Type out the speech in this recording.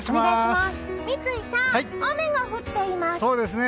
三井さん、雨が降っています。